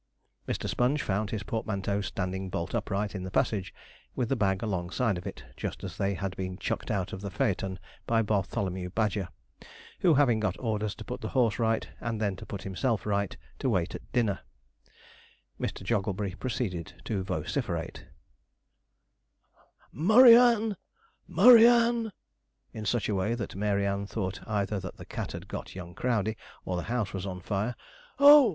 Mr. Sponge found his portmanteau standing bolt upright in the passage, with the bag alongside of it, just as they had been chucked out of the phaeton by Bartholomew Badger, who, having got orders to put the horse right, and then to put himself right to wait at dinner, Mr. Jogglebury proceeded to vociferate: 'Murry Ann! Murry Ann!' in such a way that Mary Ann thought either that the cat had got young Crowdey, or the house was on fire. 'Oh!